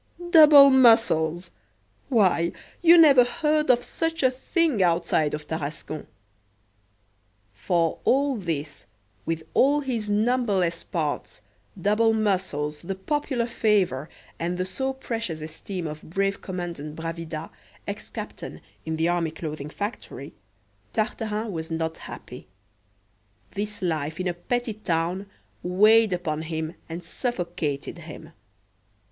"Double muscles!" why, you never heard of such a thing outside of Tarascon! For all this, with all his numberless parts, double muscles, the popular favour, and the so precious esteem of brave Commandant Bravida, ex captain (in the Army Clothing Factory), Tartarin was not happy: this life in a petty town weighed upon him and suffocated him.